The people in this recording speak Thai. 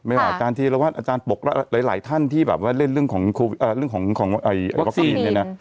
ไม่ว่าอาจารย์ทีหรือว่าอาจารย์ปลกหลายท่านที่เล่นเรื่องของวัคซีน